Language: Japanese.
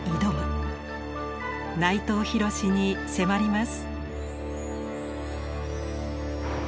内藤廣に迫ります。